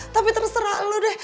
tapi terserah lu deh